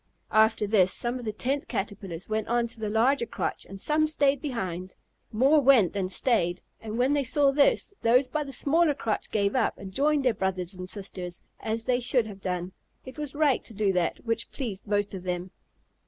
After this, some of the Tent Caterpillars went on to the larger crotch and some stayed behind. More went than stayed, and when they saw this, those by the smaller crotch gave up and joined their brothers and sisters, as they should have done. It was right to do that which pleased most of them.